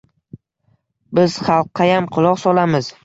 Biz xalqqayam quloq solamiz